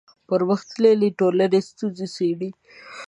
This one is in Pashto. پرمختللې ټولنې ستونزې څېړي